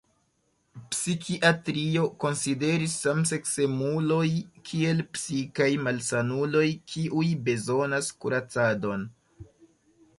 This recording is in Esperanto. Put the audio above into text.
Psikiatrio konsideris samseksemuloj kiel psikaj malsanuloj kiuj bezonas kuracadon.